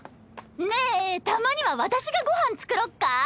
ねえたまには私がご飯作ろっか？